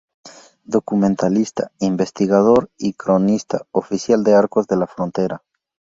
Documentalista, investigador y Cronista Oficial de Arcos de la Frontera.